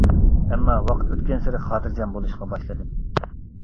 ئەمما ۋاقىت ئۆتكەنسېرى خاتىرجەم بولۇشقا باشلىدىم.